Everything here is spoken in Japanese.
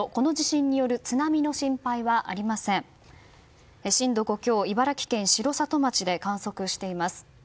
震度５強、茨城県城里町で観測しています。